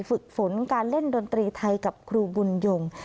ฝึกฝนการเล่นดนตรีไทยกับครูบุญยง